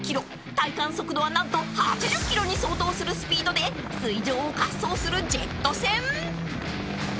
［体感速度は何と８０キロに相当するスピードで水上を滑走するジェット船］